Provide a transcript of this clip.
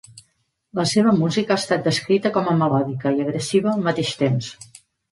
La seva música ha estat descrita com a melòdica i agressiva al mateix temps.